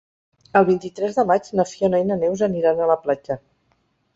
El vint-i-tres de maig na Fiona i na Neus aniran a la platja.